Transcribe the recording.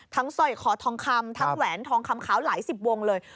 สร้อยคอทองคำทั้งแหวนทองคำขาวหลายสิบวงเลย